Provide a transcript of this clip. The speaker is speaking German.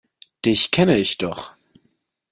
Dich kenne ich doch!